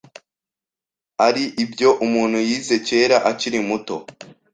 ari ibyo umuntu yize kera akiri muto,